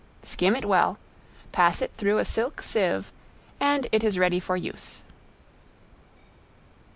Skim it well, pass it through a silk sieve, and it is ready for use.